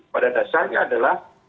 pada dasarnya adalah